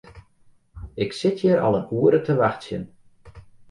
Ik sit hjir al in oere te wachtsjen.